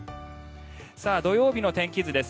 土曜日の天気図です。